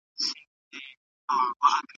ملي ګټې د هېواد لپاره مهمې دي.